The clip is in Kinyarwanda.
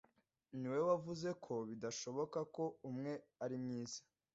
Niwowe wavuze ko bishoboka ko umwe ari mwiza.